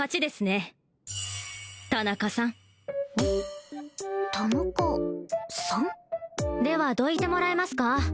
田中さん？ではどいてもらえますか？